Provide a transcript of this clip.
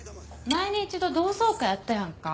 前に１度同窓会あったやんか。